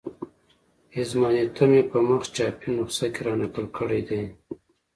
اظماننتم یې په مخ چاپي نسخه کې را نقل کړی دی.